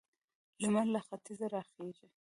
لمر له ختیځه راخيژي.